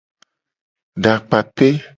Dakpape.